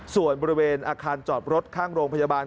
ส่วนบริเวณอาคารจอดรถข้างโรงพยาบาล